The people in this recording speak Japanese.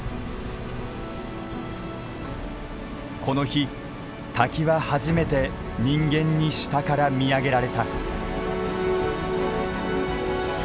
この日滝は初めて人間に下から見上げられた。